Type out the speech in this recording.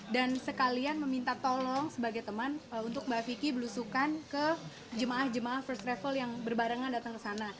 dan sekalian meminta tolong sebagai teman untuk mbak vicky berusukan ke jemaah jemaah first travel yang berbarengan datang ke sana